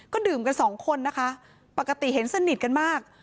ก็ดื่มกันสองคนนะคะปกติเห็นสนิทกันมาก